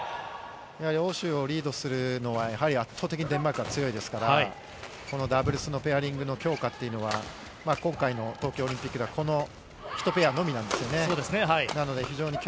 欧州をリードするのは圧倒的にデンマークが強いですから、このダブルスのペアリングの強化というのは今回の東京オリンピックではこの１ペアのみなんですよね。